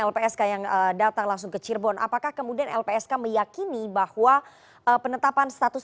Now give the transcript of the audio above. lpsk yang datang langsung ke cirebon apakah kemudian lpsk meyakini bahwa penetapan status